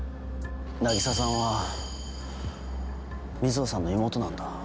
凪沙さんは水帆さんの妹なんだ。